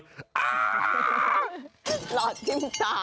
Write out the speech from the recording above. หลอดธิมตา